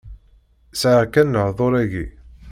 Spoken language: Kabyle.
Sɛiɣ kan lehḍur-agi.